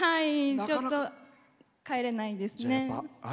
ちょっと帰れないんですね。